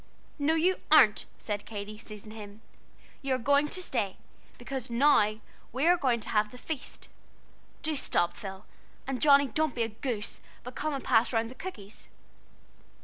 "No, you aren't," said Katy, seizing him, "you are going to stay, because now we are going to have the Feast! Do stop, Phil; and Johnnie, don't be a goose, but come and pass round the cookies."